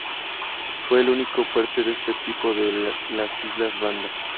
Fue el único fuerte de este tipo en las islas Banda.